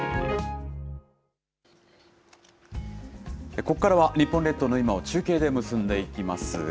ここからは、日本列島の今を中継で結んでいきます。